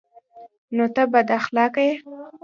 _نو ته بد اخلاقه يې؟